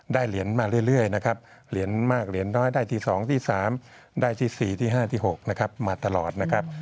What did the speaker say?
เหรียญมาเรื่อยนะครับเหรียญมากเหรียญน้อยได้ที่๒ที่๓ได้ที่๔ที่๕ที่๖นะครับมาตลอดนะครับ